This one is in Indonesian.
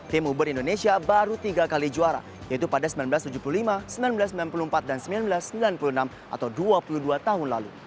tim uber indonesia baru tiga kali juara yaitu pada seribu sembilan ratus tujuh puluh lima seribu sembilan ratus sembilan puluh empat dan seribu sembilan ratus sembilan puluh enam atau dua puluh dua tahun lalu